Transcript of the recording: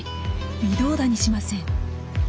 微動だにしません。